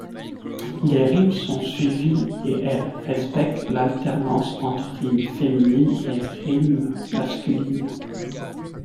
Les rimes sont suivies et elles respectent l'alternance entre rimes féminines et rimes masculines.